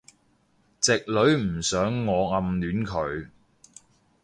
直女唔想我暗戀佢